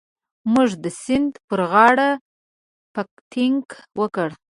موږ د سیند پر غاړه پکنیک وکړ.